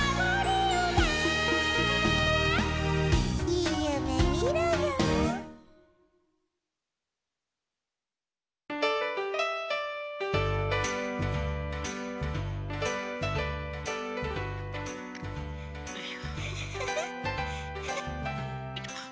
「」「」「」「」「」「いいゆめみろよ☆」フフッ。